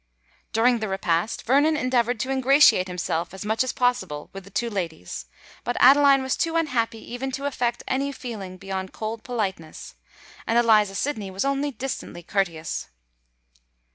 During the repast, Vernon endeavoured to ingratiate himself as much as possible with the two ladies: but Adeline was too unhappy even to affect any feeling beyond cold politeness; and Eliza Sydney was only distantly courteous.